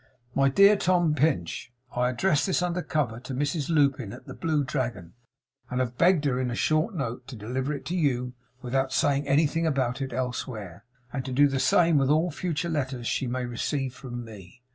"My dear Tom Pinch I address this under cover to Mrs Lupin, at the Blue Dragon, and have begged her in a short note to deliver it to you without saying anything about it elsewhere; and to do the same with all future letters she may receive from me.